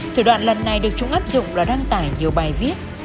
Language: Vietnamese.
thủ đoạn lần này được chúng áp dụng là đăng tải nhiều bài viết